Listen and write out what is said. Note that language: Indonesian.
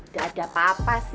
gak ada apa apa sih